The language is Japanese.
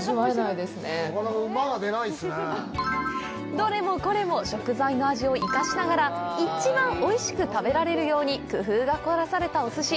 どれもこれも食材の味を生かしながら一番おいしく食べられるように工夫が凝らされたおすし。